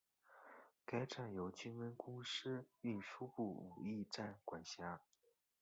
该站由金温公司运输部武义站管辖。